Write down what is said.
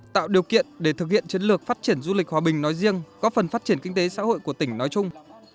tạo điều kiện để thực hiện chiến lược phát triển du lịch hòa bình nói riêng góp phần phát triển kinh tế xã hội của tỉnh nói chung